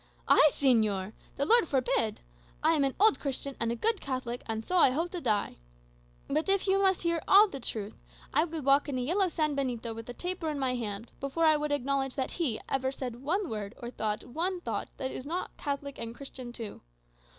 "I, señor! The Lord forbid! I am an old Christian, and a good Catholic, and so I hope to die. But if you must hear all the truth, I would walk in a yellow sanbenito, with a taper in my hand, before I would acknowledge that he ever said one word or thought one thought that was not Catholic and Christian too.